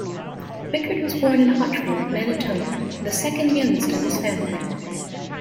Bickert was born in Hochfeld, Manitoba, the second youngest of his family.